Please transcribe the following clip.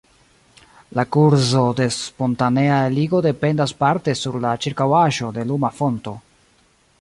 La kurzo de spontanea eligo dependas parte sur la ĉirkaŭaĵo de luma fonto.